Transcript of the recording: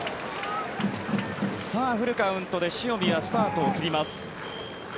フルカウントで塩見はスタートを切ります。